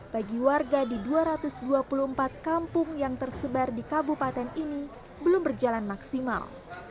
bagi warga di dua ratus dua puluh empat kampung yang tersebar di kabupaten ini belum berjalan maksimal